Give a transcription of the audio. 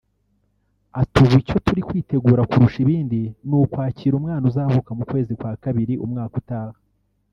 Ati “Ubu icyo turi kwitegura kurusha ibindi ni ukwakira umwana uzavuka mu kwezi kwa kabiri umwaka utaha